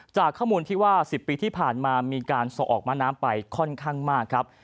จากข้อมูลที่ว่า๑๐ปีที่ผ่านมามีการส่งออกมาน้ำไปค่อนข้างมากครับ